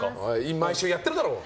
毎週やってるだろ！